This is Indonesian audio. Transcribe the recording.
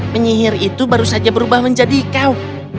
penyihir itu baru saja berubah menjadi kaum